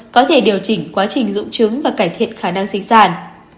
có thể điều chỉnh quá trình dụng trứng và cải thiện khả năng sinh sản